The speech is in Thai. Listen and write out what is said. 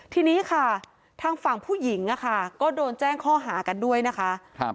ทีนี้ค่ะทางฝั่งผู้หญิงอะค่ะก็โดนแจ้งข้อหากันด้วยนะคะ